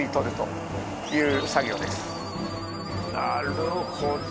なるほど。